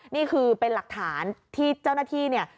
นี่คือเป็นหลักฐานที่เจ้าหน้าที่เนี่ย